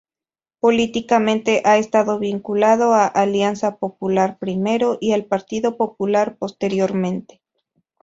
Políticamente ha estado vinculado a Alianza Popular primero, y al Partido Popular posteriormente.